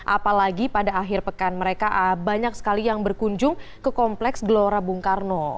apalagi pada akhir pekan mereka banyak sekali yang berkunjung ke kompleks gelora bung karno